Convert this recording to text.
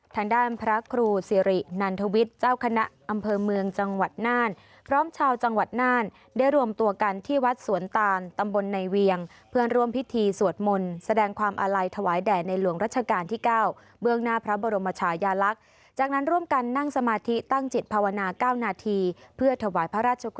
ทางด้านพระครูสิรินันทวิทย์เจ้าคณะอำเภอเมืองจังหวัดน่านพร้อมชาวจังหวัดน่านได้รวมตัวกันที่วัดสวนตานตำบลในเวียงเพื่อร่วมพิธีสวดมนต์แสดงความอาลัยถวายแด่ในหลวงรัชกาลที่๙เบื้องหน้าพระบรมชายาลักษณ์จากนั้นร่วมกันนั่งสมาธิตั้งจิตภาวนา๙นาทีเพื่อถวายพระราชก